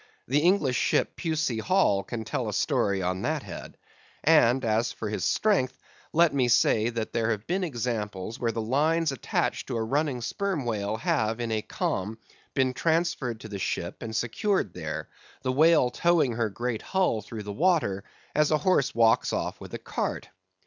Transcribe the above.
The English ship Pusie Hall can tell a story on that head; and, as for his strength, let me say, that there have been examples where the lines attached to a running sperm whale have, in a calm, been transferred to the ship, and secured there; the whale towing her great hull through the water, as a horse walks off with a cart.